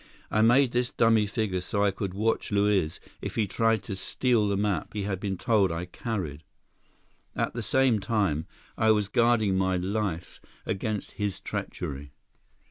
I made this dummy figure so I could watch Luiz if he tried to steal the map he had been told I carried. At the same time, I was guarding my life against his treachery."